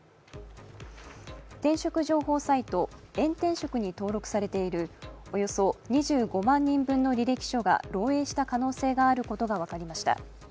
転職情報サイト、エン転職に登録されているおよそ２５万人分の履歴書が漏えいした可能性があることが分かりました。